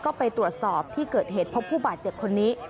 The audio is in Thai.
ก็ไปตรวจสอบที่เกิดเหตุพบผู้บาดเจ็บคนนี้